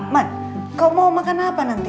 mat kau mau makan apa nanti